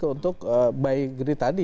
untuk by grid tadi